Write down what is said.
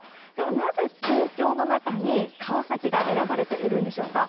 なぜ、東京の中に川崎が選ばれているんでしょうか。